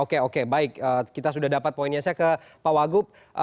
oke oke baik kita sudah dapat poinnya saya ke pak wagub